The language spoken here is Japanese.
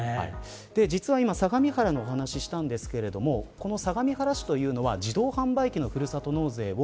実は今相模原の話をしたんですがこの相模原市というのは自動販売機のふるさと納税を